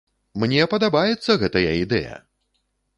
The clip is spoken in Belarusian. Мне падабаецца гэтая ідэя!